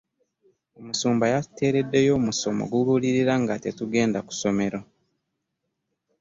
Omusumba yatuteredeyo omusomo ogubulirira nga tetunada ku ssomero.